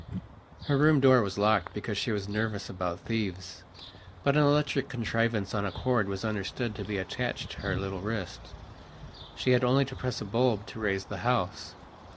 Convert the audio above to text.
Her room door was locked because she was nervous about thieves; but an electric contrivance on a cord was understood to be attached to her little wrist. She had only to press a bulb to raise the house.